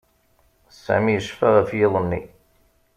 Sami yecfa ɣef yiḍ-nni.